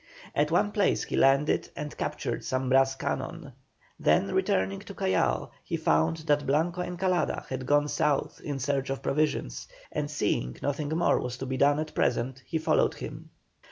At one place he landed and captured some brass cannon; then returning to Callao he found that Blanco Encalada had gone south in search of provisions, and seeing nothing more was to be done at present, he followed him.